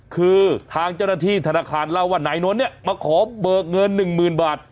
คือทางเจ้าหน้าที่ธนาคารเล่าว่าไหนโน้นนี่มาขอเบิกเงินหนึ่งหมื่นบาท